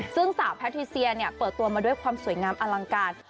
ซึ่งสาวแพทิเซียเนี่ยเปิดตัวมาด้วยความสวยงามอลังการ